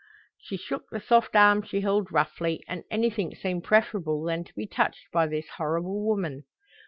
She shook the soft arm she held roughly, and anything seemed preferable than to be touched by this horrible woman.